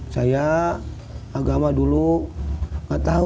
saya agama dulu nggak tahu